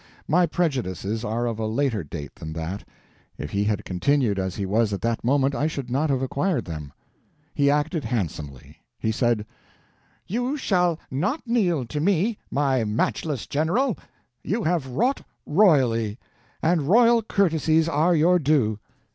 My prejudices are of a later date than that. If he had continued as he was at that moment, I should not have acquired them. He acted handsomely. He said: "You shall not kneel to me, my matchless General; you have wrought royally, and royal courtesies are your due."